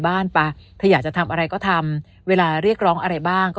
ป่ะเธออยากจะทำอะไรก็ทำเวลาเรียกร้องอะไรบ้างก็